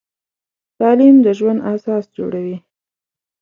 تعلیم د ژوند اساس جوړوي.